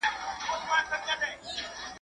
o پردى غم تر واورو سوړ دئ.